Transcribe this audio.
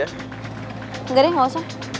enggak deh gak usah